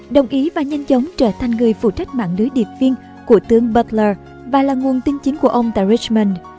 đồng ý và nhanh chóng trở thành người phụ trách mạng lưới điệp viên của tướng butler và là nguồn tin chính của ông tại richmond